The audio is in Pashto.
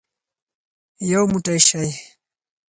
یو موټی شئ.